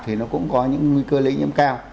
thì nó cũng có những nguy cơ lây nhiễm cao